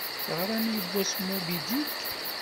Teɣṛam yewwas "Moby Dick"?